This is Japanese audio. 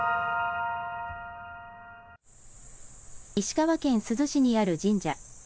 石川県珠洲市にある神社。